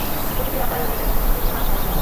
অতিথির আপ্যায়নে যেন কোন ত্রুটি না হয়, ডিয়ার।